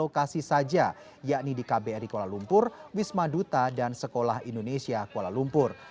lokasi saja yakni di kbri kuala lumpur wisma duta dan sekolah indonesia kuala lumpur